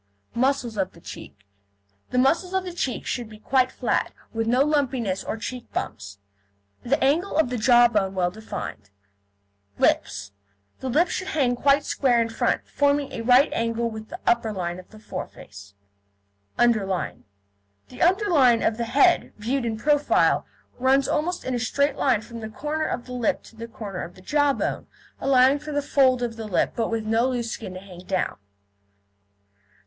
MUSCLES OF THE CHEEK The muscles of the cheeks should be quite flat, with no lumpiness or cheek bumps, the angle of the jaw bone well defined. LIPS The lips should hang quite square in front, forming a right angle with the upper line of foreface. UNDERLINE The underline of the head, viewed in profile, runs almost in a straight line from the corner of the lip to the corner of the jawbone, allowing for the fold of the lip, but with no loose skin to hang down.